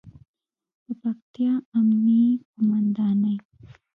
د پکتیا امنیې قوماندانۍ